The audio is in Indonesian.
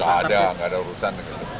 tidak ada tidak ada urusan